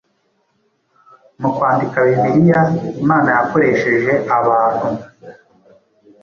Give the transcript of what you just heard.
Mu kwandika Bibiliya Imana yakoresheje abantu